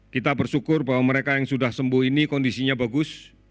kita bersyukur bahwa mereka yang sudah sembuh ini kondisinya bagus